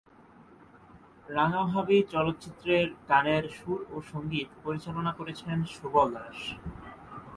রাঙা ভাবী চলচ্চিত্রের গানের সুর ও সঙ্গীত পরিচালনা করেছেন সুবল দাস।